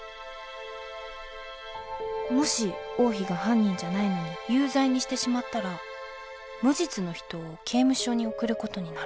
もし王妃が犯人じゃないのに有罪にしてしまったら無実の人を刑務所に送る事になる。